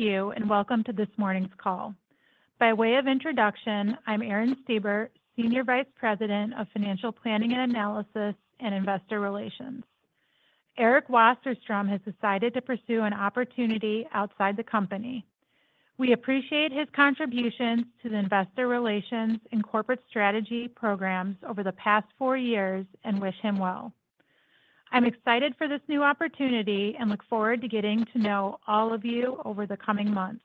Thank you, and welcome to this morning's call. By way of introduction, I'm Erin Stieber, Senior Vice President of Financial Planning and Analysis and Investor Relations. Eric Wasserstrom has decided to pursue an opportunity outside the company. We appreciate his contributions to the Investor Relations and Corporate Strategy programs over the past four years and wish him well. I'm excited for this new opportunity and look forward to getting to know all of you over the coming months.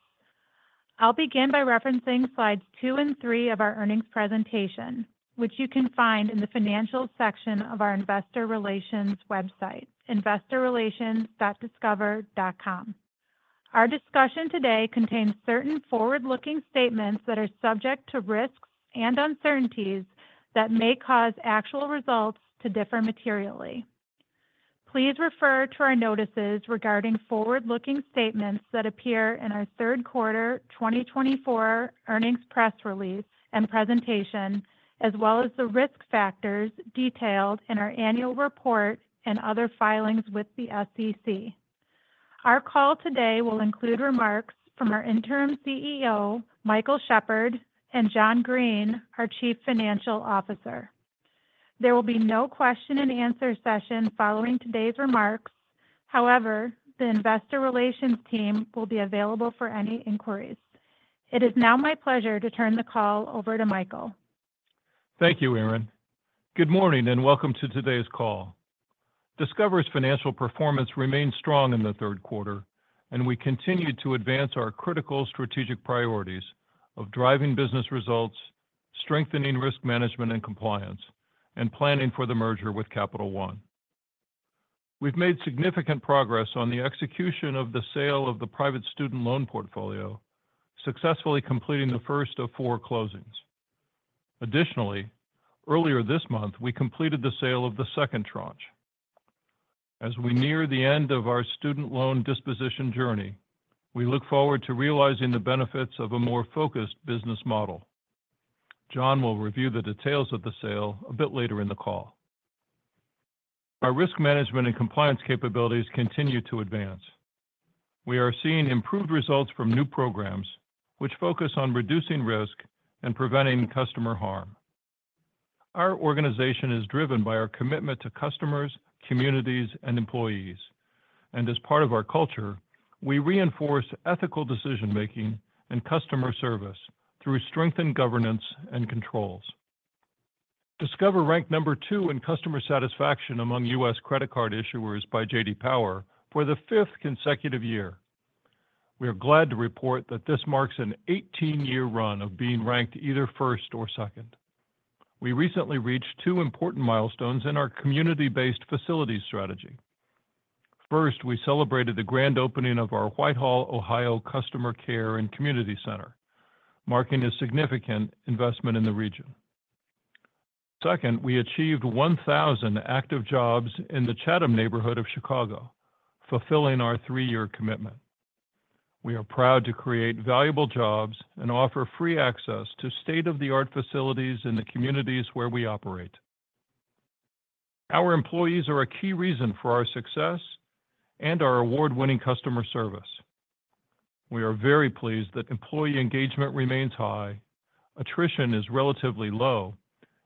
I'll begin by referencing slides two and three of our earnings presentation, which you can find in the Financial section of our Investor Relations website, investorrelations.discover.com. Our discussion today contains certain forward-looking statements that are subject to risks and uncertainties that may cause actual results to differ materially. Please refer to our notices regarding forward-looking statements that appear in our Third Quarter 2024 Earnings press release and presentation, as well as the risk factors detailed in our annual report and other filings with the SEC. Our call today will include remarks from our Interim CEO, Michael Shepherd, and John Greene, our Chief Financial Officer. There will be no question and answer session following today's remarks. However, the Investor Relations team will be available for any inquiries. It is now my pleasure to turn the call over to Michael. Thank you, Erin. Good morning, and welcome to today's call. Discover's financial performance remained strong in the third quarter, and we continued to advance our critical strategic priorities of driving business results, strengthening risk management and compliance, and planning for the merger with Capital One. We've made significant progress on the execution of the sale of the private student loan portfolio, successfully completing the first of four closings. Additionally, earlier this month, we completed the sale of the second tranche. As we near the end of our student loan disposition journey, we look forward to realizing the benefits of a more focused business model. John will review the details of the sale a bit later in the call. Our risk management and compliance capabilities continue to advance. We are seeing improved results from new programs, which focus on reducing risk and preventing customer harm. Our organization is driven by our commitment to customers, communities, and employees, and as part of our culture, we reinforce ethical decision-making and customer service through strengthened governance and controls. Discover ranked number 2 in customer satisfaction among U.S. credit card issuers by J.D. Power for the fifth consecutive year. We are glad to report that this marks an eighteen-year run of being ranked either first or second. We recently reached two important milestones in our community-based facilities strategy. First, we celebrated the grand opening of our Whitehall, Ohio Customer Care and Community Center, marking a significant investment in the region. Second, we achieved 1,000 active jobs in the Chatham neighborhood of Chicago, fulfilling our three-year commitment. We are proud to create valuable jobs and offer free access to state-of-the-art facilities in the communities where we operate. Our employees are a key reason for our success and our award-winning customer service. We are very pleased that employee engagement remains high, attrition is relatively low,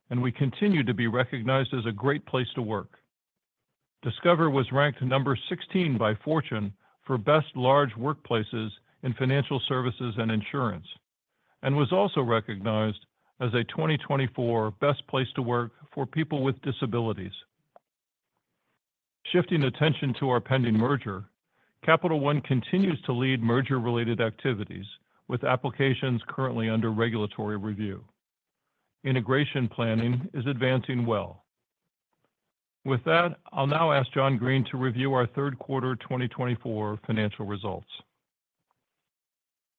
and we continue to be recognized as a great place to work. Discover was ranked number 16 by Fortune for Best Large Workplaces in Financial Services and Insurance, and was also recognized as a 2024 Best Place to Work for People with disabilities. Shifting attention to our pending merger, Capital One continues to lead merger-related activities, with applications currently under regulatory review. Integration planning is advancing well. With that, I'll now ask John Greene to review our third quarter 2024 financial results.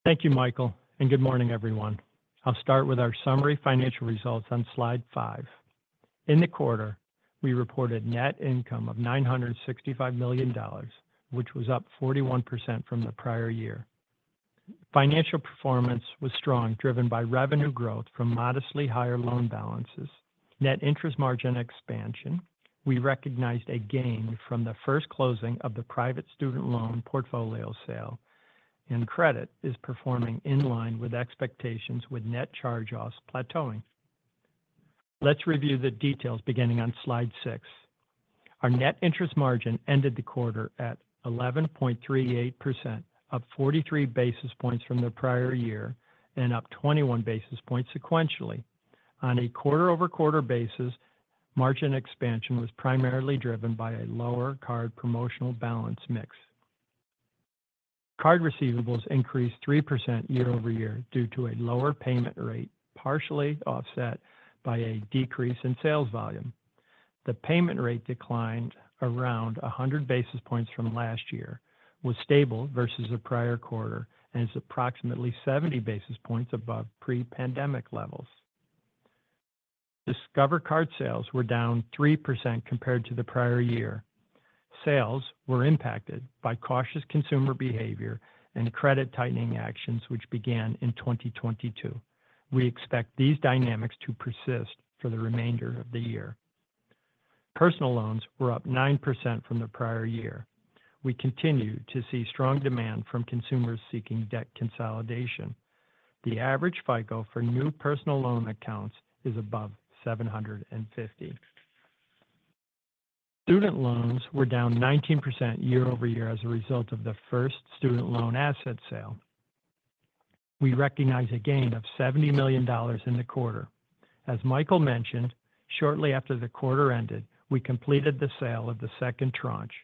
Thank you, Michael, and good morning, everyone. I'll start with our summary financial results on slide five. In the quarter, we reported net income of $965 million, which was up 41% from the prior year. Financial performance was strong, driven by revenue growth from modestly higher loan balances, net interest margin expansion. We recognized a gain from the first closing of the private student loan portfolio sale, and credit is performing in line with expectations, with net charge-offs plateauing. Let's review the details beginning on slide six. Our net interest margin ended the quarter at 11.38%, up 43 basis points from the prior year and up 21 basis points sequentially. On a quarter-over-quarter basis, margin expansion was primarily driven by a lower card promotional balance mix. Card receivables increased 3% year over year due to a lower payment rate, partially offset by a decrease in sales volume. The payment rate declined around 100 basis points from last year, was stable versus the prior quarter, and is approximately 70 basis points above pre-pandemic levels. Discover Card sales were down 3% compared to the prior year. Sales were impacted by cautious consumer behavior and credit tightening actions, which began in 2022. We expect these dynamics to persist for the remainder of the year. Personal loans were up 9% from the prior year. We continue to see strong demand from consumers seeking debt consolidation. The average FICO for new personal loan accounts is above seven hundred and fifty. Student loans were down 19% year over year as a result of the first student loan asset sale. We recognize a gain of $70 million in the quarter. As Michael mentioned, shortly after the quarter ended, we completed the sale of the second tranche.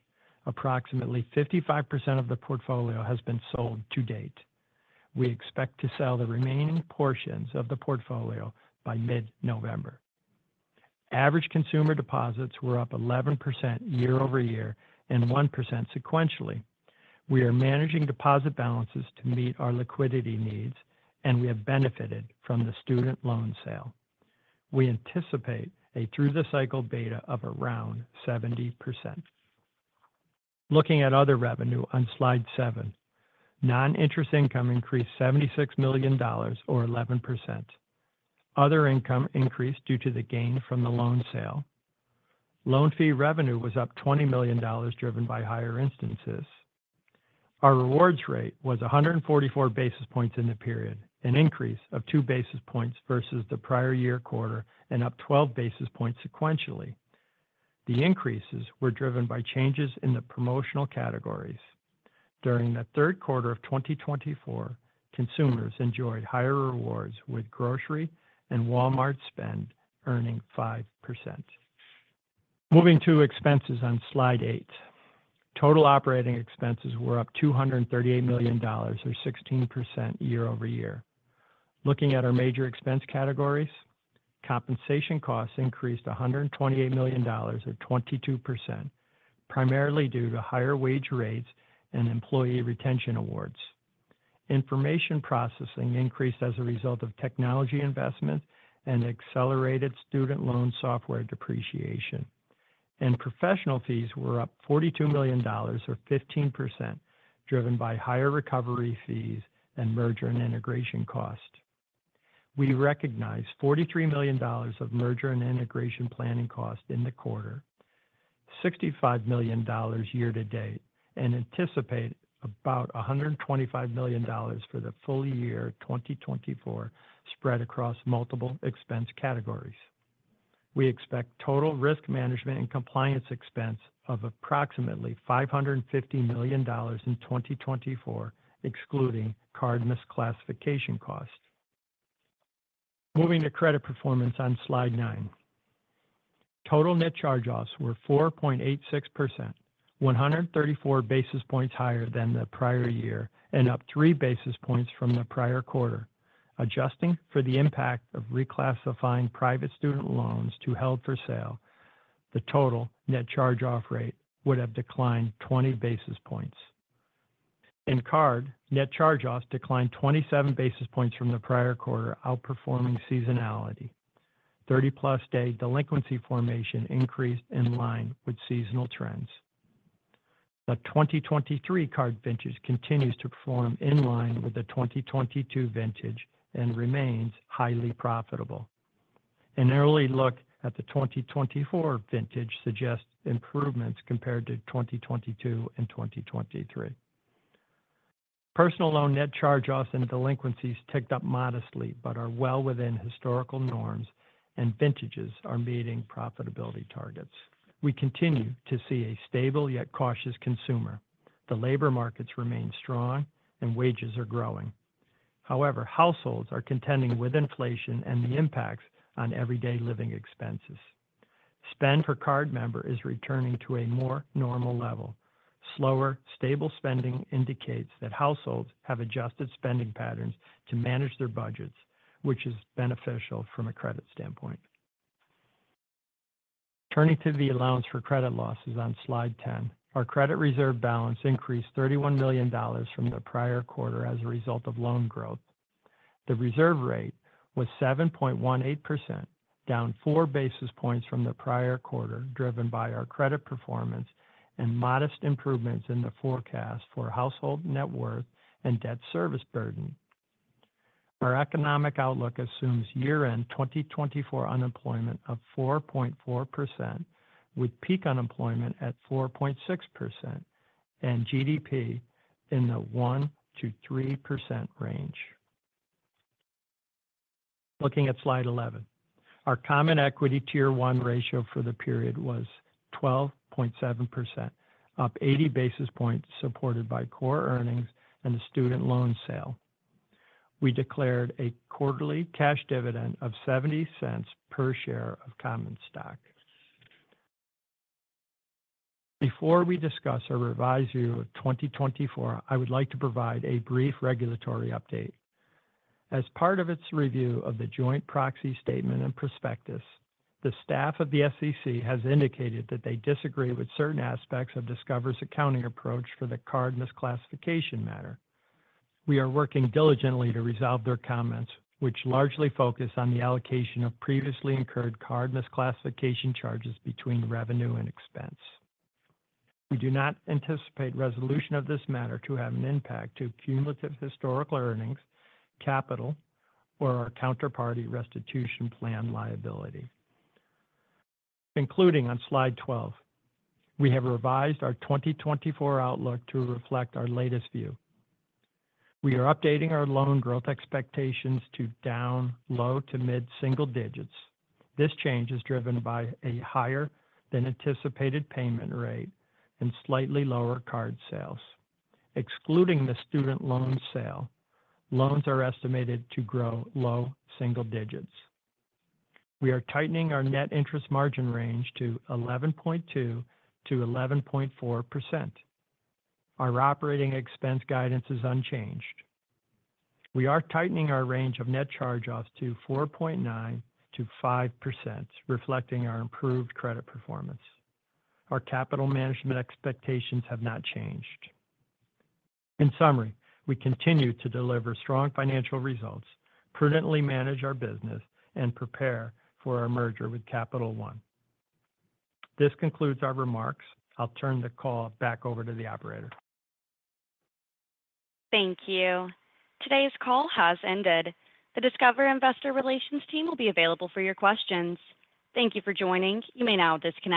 Approximately 55% of the portfolio has been sold to date. We expect to sell the remaining portions of the portfolio by mid-November. Average consumer deposits were up 11% year over year and 1% sequentially. We are managing deposit balances to meet our liquidity needs, and we have benefited from the student loan sale. We anticipate a through the cycle beta of around 70%. Looking at other revenue on slide 7, non-interest income increased $76 million, or 11%. Other income increased due to the gain from the loan sale. Loan fee revenue was up $20 million, driven by higher instances. Our rewards rate was 144 basis points in the period, an increase of 2 basis points versus the prior year quarter and up 12 basis points sequentially. The increases were driven by changes in the promotional categories. During the third quarter of 2024, consumers enjoyed higher rewards, with grocery and Walmart spend earning 5%. Moving to expenses on Slide 8. Total operating expenses were up $238 million, or 16% year over year. Looking at our major expense categories, compensation costs increased $128 million or 22%, primarily due to higher wage rates and employee retention awards. Information processing increased as a result of technology investments and accelerated student loan software depreciation. And professional fees were up $42 million or 15%, driven by higher recovery fees and merger and integration costs. We recognized $43 million of merger and integration planning costs in the quarter, $65 million year to date, and anticipate about $125 million for the full year 2024, spread across multiple expense categories. We expect total risk management and compliance expense of approximately $550 million in 2024, excluding card misclassification costs. Moving to credit performance on Slide 9. Total net charge-offs were 4.86%, 134 basis points higher than the prior year, and up 3 basis points from the prior quarter. Adjusting for the impact of reclassifying private student loans to held for sale, the total net charge-off rate would have declined 20 basis points. In card, net charge-offs declined 27 basis points from the prior quarter, outperforming seasonality. 30-plus day delinquency formation increased in line with seasonal trends. The 2023 card vintages continues to perform in line with the 2022 vintage and remains highly profitable. An early look at the 2024 vintage suggests improvements compared to 2022 and 2023. Personal loan net charge-offs and delinquencies ticked up modestly, but are well within historical norms, and vintages are meeting profitability targets. We continue to see a stable yet cautious consumer. The labor markets remain strong and wages are growing. However, households are contending with inflation and the impacts on everyday living expenses. Spend per card member is returning to a more normal level. Slower, stable spending indicates that households have adjusted spending patterns to manage their budgets, which is beneficial from a credit standpoint. Turning to the allowance for credit losses on slide 10. Our credit reserve balance increased $31 million from the prior quarter as a result of loan growth. The reserve rate was 7.18%, down 4 basis points from the prior quarter, driven by our credit performance and modest improvements in the forecast for household net worth and debt service burden. Our economic outlook assumes year-end 2024 unemployment of 4.4%, with peak unemployment at 4.6% and GDP in the 1%-3% range. Looking at slide 11, our Common Equity Tier One ratio for the period was 12.7%, up 80 basis points, supported by core earnings and the student loan sale. We declared a quarterly cash dividend of $0.70 per share of common stock. Before we discuss our revised view of 2024, I would like to provide a brief regulatory update. As part of its review of the joint proxy statement and prospectus, the staff of the SEC has indicated that they disagree with certain aspects of Discover's accounting approach for the card misclassification matter. We are working diligently to resolve their comments, which largely focus on the allocation of previously incurred card misclassification charges between revenue and expense. We do not anticipate resolution of this matter to have an impact to cumulative historical earnings, capital or our counterparty restitution plan liability. Including on slide 12, we have revised our 2024 outlook to reflect our latest view. We are updating our loan growth expectations to down, low to mid-single digits. This change is driven by a higher than anticipated payment rate and slightly lower card sales. Excluding the student loan sale, loans are estimated to grow low single digits. We are tightening our net interest margin range to 11.2%-11.4%. Our operating expense guidance is unchanged. We are tightening our range of net charge-offs to 4.9%-5%, reflecting our improved credit performance. Our capital management expectations have not changed. In summary, we continue to deliver strong financial results, prudently manage our business, and prepare for our merger with Capital One. This concludes our remarks. I'll turn the call back over to the operator. Thank you. Today's call has ended. The Discover investor relations team will be available for your questions. Thank you for joining. You may now disconnect.